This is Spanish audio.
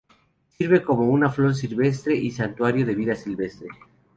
Sirve como una flor silvestre y santuario de vida silvestre.